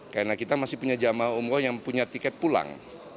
karena kita masih punya jemaah umroh yang punya tiket pulang